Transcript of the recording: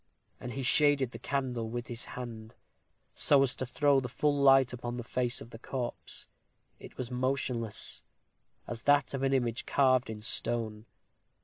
And he shaded the candle with his hand, so as to throw the light full upon the face of the corpse. It was motionless, as that of an image carved in stone.